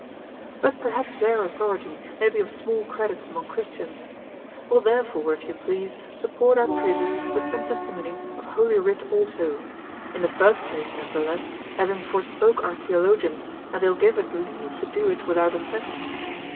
But perhaps their authority may be of small credit among Christians. We'll therefore, if you please, support our praises with some testimonies of Holy Writ also, in the first place, nevertheless, having forespoke our theologians that they'll give us leave to do it without offense.